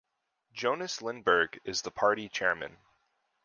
Jonas Lindeberg is the party chairman.